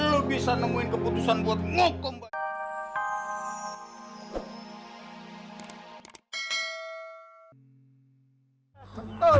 lu bisa nemuin keputusan buat ngukum bar